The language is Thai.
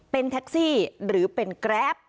เป็นแท็กซี่หรือเป็นแกรป